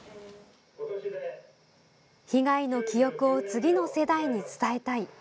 被害の記憶を次の世代に伝えたい。